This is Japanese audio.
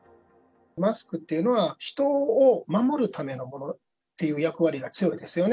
マスクっていうのは、人を守るためのものっていう役割が強いですよね。